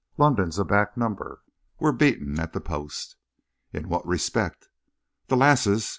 London's a back number. We're beaten at the post." "In what respect?" "The lasses!"